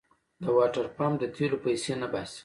د واټرپمپ د تېلو پيسې نه باسي.